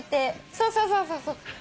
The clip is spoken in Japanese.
そうそうそうそう。